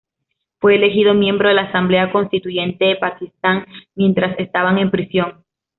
Fue elegido miembro de la Asamblea Constituyente de Pakistán, mientras estaba en prisión.